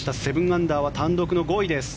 ７アンダーは単独の５位です。